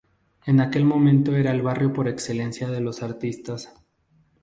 En aquel momento era el barrio por excelencia de los artistas.